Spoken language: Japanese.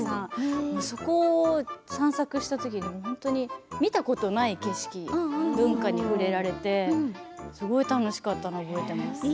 そこを散策した時に本当に見たことない景色文化に触れられてすごい楽しかったのを覚えています。